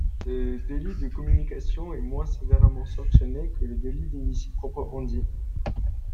Ce délit de communication est moins sévèrement sanctionné que le délit d'initié proprement dit.